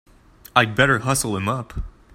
I'd better hustle him up!